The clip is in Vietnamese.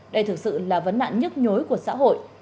đây thực sự là vấn nạn nhức nhối của xã hội